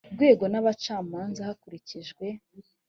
rwego n abacamanza hakurikijwe